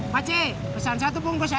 pace pesan satu pungkus saya